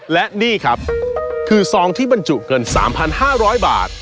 และนี่ครับคือซองที่บรรจุเงิน๓๕๐๐บาท